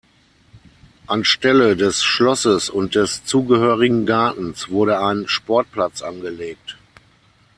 An Stelle des Schlosses und des zugehörigen Gartens wurde ein Sportplatz angelegt.